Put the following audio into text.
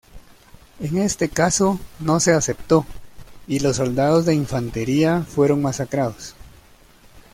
En este caso, no se aceptó y los soldados de infantería fueron masacrados.